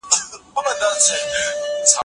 زه د ګرمو اوبو په څښلو بوخت یم.